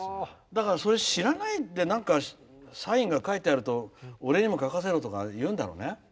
それ、知らないでサインが書いてあると俺にも書かせろとか言うんだろうね。